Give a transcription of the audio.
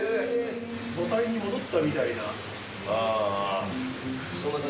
母体に戻ったみたいな感じ。